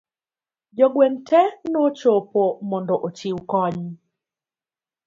jogweng' te nochopo mondo ochiw kony